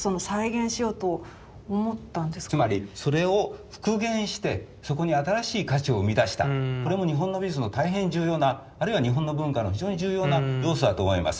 つまりそれを復元してそこに新しい価値を生み出したこれも日本の美術の大変重要なあるいは日本の文化の非常に重要な要素だと思います。